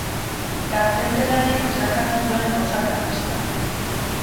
Gazte zelarik besarkatu zuen kausa karlista.